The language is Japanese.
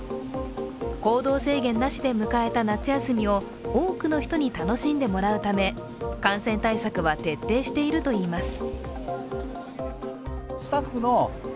行動制限なしで迎えた夏休みを多くの人に楽しんでもらうため感染対策は徹底しているといいます。